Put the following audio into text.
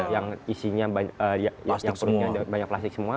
yang isinya banyak plastik semua